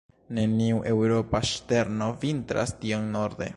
Neniu eŭropa ŝterno vintras tiom norde.